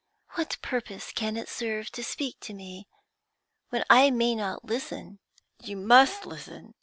What purpose can it serve to speak to me when I may not listen?' 'You must listen.